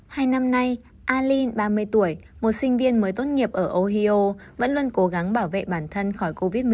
hai năm nay alin ba mươi tuổi một sinh viên mới tốt nghiệp ở ohio vẫn luôn cố gắng bảo vệ bản thân khỏi covid một mươi chín